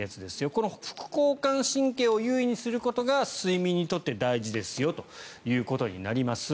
この副交感神経を優位にすることが睡眠にとって大事ですよということになります。